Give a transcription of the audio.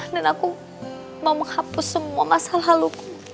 dan aku mau menghapus semua masalah lalu